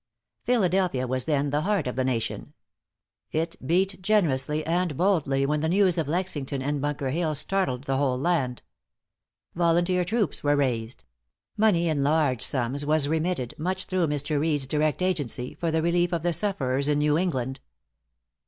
Philadelphia was then the heart of the nation. It beat generously and boldly when the news of Lexington and Bunker Hill startled the whole land. Volunteer troops were raised money in large sums was remitted, much through Mr. Reed's direct agency, for the relief of the sufferers in New England.